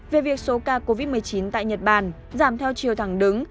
về việc số ca covid một mươi chín tại nhật bản giảm theo chiều thẳng đứng